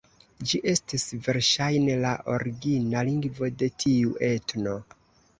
Ĝi estis verŝajne la origina lingvo de tiu etno.